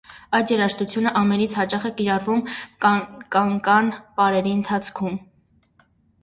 Այդ երաժշտությունը ամենից հաճախ է կիրառվում կանկան պարերի ընթացքում։